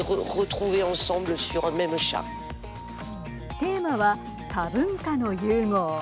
テーマは、多文化の融合。